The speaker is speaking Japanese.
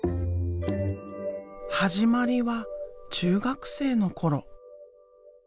始まりは中学生の頃。